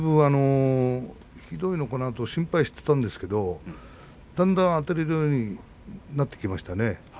ひどいのかなと心配していたんですけれどもだんだん、あたれるようになってきましたね。